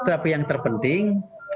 tapi yang terpenting